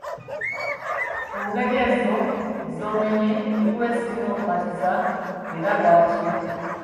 Ku ngeri ezo z’omenye, eriwa esinga okumatiza era lwaki?